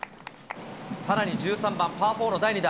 さらに１３番、パーフォーの第２打。